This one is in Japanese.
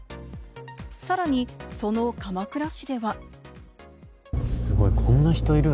さらにその鎌倉市では。